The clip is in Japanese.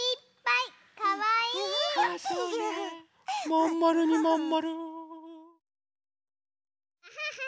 まんまるにまんまる。